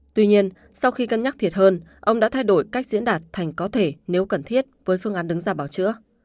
tuy nhiên sau khi cân nhắc thiệt hơn ông đã thay đổi cách diễn đạt thành có thể nếu cần thiết với phương án đứng ra bảo chữa